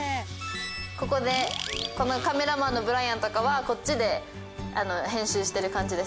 ここでカメラマンのブライアンとかはこっちで編集してる感じですね。